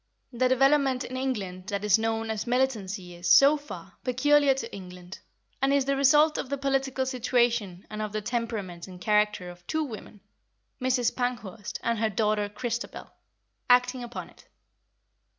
The development in England that is known as militancy is, so far, peculiar to England, and is the result of the political situation and of the temperament and character of two women, Mrs. Pankhurst and her daughter Christabel, acting upon it.